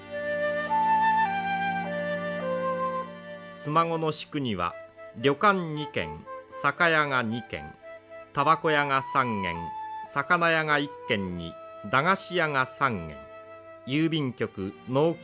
妻籠宿には旅館２軒酒屋が２軒たばこ屋が３軒魚屋が１軒に駄菓子屋が３軒郵便局農協